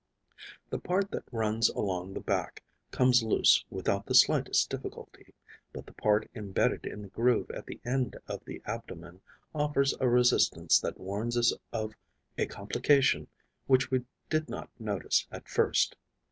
The part that runs along the back comes loose without the slightest difficulty, but the part embedded in the groove at the end of the abdomen offers a resistance that warns us of a complication which we did not notice at first.